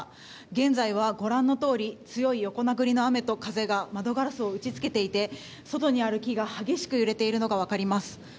現在は、ご覧のとおり強い横殴りの雨と風が窓ガラスを打ち付けていて外にある木が、激しく揺れているのが分かります。